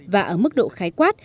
và ở mức độ khái quát